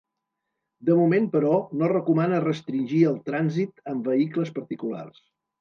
De moment però no recomana restringir el trànsit amb vehicles particulars.